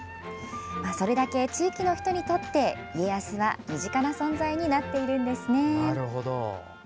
それだけ、地域の人にとって家康は身近な存在になっているんですね。